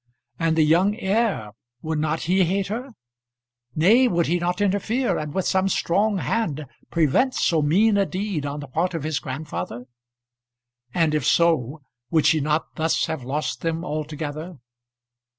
And the young heir, would not he hate her? Nay, would he not interfere and with some strong hand prevent so mean a deed on the part of his grandfather? And if so, would she not thus have lost them altogether?